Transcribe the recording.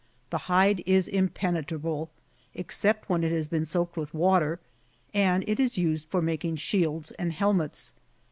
^ The hide is impenetrable, ex cept when it has been soaked with water ; and it is used for making shields and helmets.